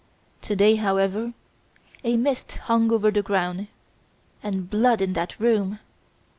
To day, however, a mist hung over the ground and blood in that room!